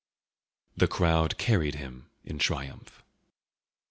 The crowd carried him in triumph!